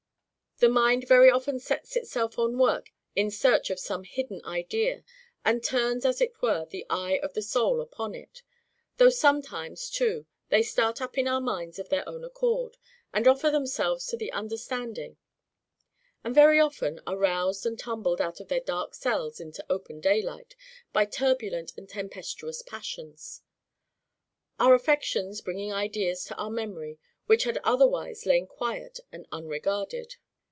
The mind very often sets itself on work in search of some hidden idea, and turns as it were the eye of the soul upon it; though sometimes too they start up in our minds of their own accord, and offer themselves to the understanding; and very often are roused and tumbled out of their dark cells into open daylight, by turbulent and tempestuous passions; our affections bringing ideas to our memory, which had otherwise lain quiet and unregarded.